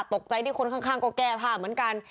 ตกใจที่คนข้างก็แก้ผ้าเหมือนกัน